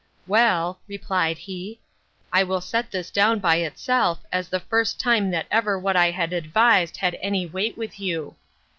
Well, replied he, I will set this down by itself, as the first time that ever what I had advised had any weight with you.